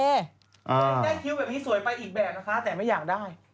ได้คิ้วแบบนี้สวยไปอีกแบบนะคะแต่ไม่อยากได้